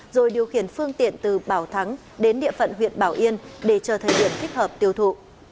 rồi điều khiển phương tiện từ bảo thắng đến địa phận huyện bảo yên để chờ thời điểm thích hợp tiêu thụ